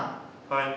はい。